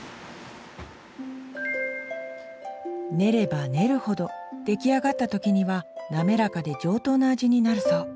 練れば練るほど出来上がった時には滑らかで上等な味になるそう。